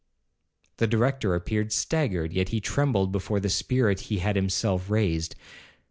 The Director appeared staggered, yet he trembled before the spirit he had himself raised.